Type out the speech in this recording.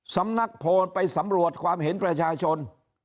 สำนักโพลไปสำรวจความเห็นประชาชน